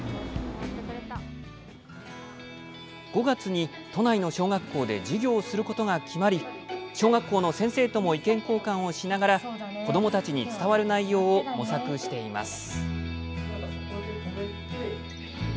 ５月に都内の小学校で授業をすることが決まり小学校の先生とも意見交換をしながら子どもたちに伝わる内容を模索しています。